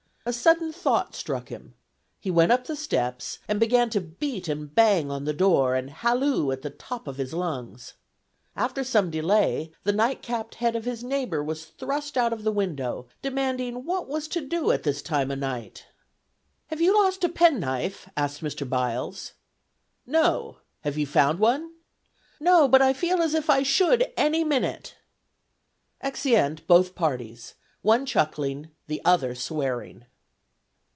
A sudden thought struck him; he went up the steps and began to beat and bang on the door and halloo at the top of his lungs. After some delay, the night capped head of his neighbor was thrust out of the window, demanding what was to do at this time o' night. "Have you lost a penknife?" asked Mr. Byles. "No! Have you found one?" "No, but I feel as if I should any minute!" Exeunt both parties, one chuckling, the other swearing.